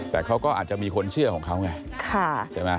แต่เขาก็อาจจะมีคนเชื่อของเขาไงใช่ไหม